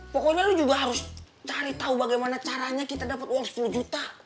pokoknya lu juga harus cari tau bagaimana caranya kita dapet uang sepuluh juta